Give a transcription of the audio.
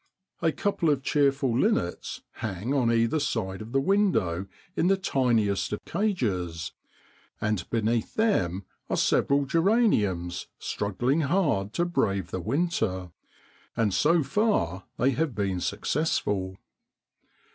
A couple of cheerful linnets hang on either side of the window in the tiniest of cages, and beneath them are several geraniums struggling hard to brave the winter, and so far they have been successful.